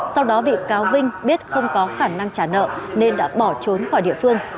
sau đó bị cáo vinh biết không có khả năng trả nợ nên đã bỏ trốn khỏi địa phương